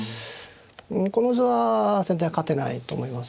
この図は先手は勝てないと思います。